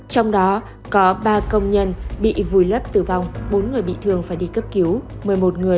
trong đó có ba công nhân bị vùi lấp tử vong bốn người bị thương phải đi cấp cứu